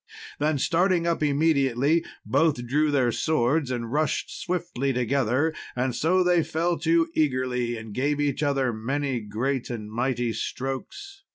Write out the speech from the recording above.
Then starting up immediately, both drew their swords and rushed swiftly together. And so they fell to eagerly, and gave each other many great and mighty strokes.